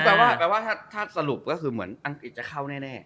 แปลว่าแปลว่าถ้าสรุปก็คือเหมือนอังกฤษจะเข้าแน่